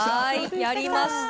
やりました。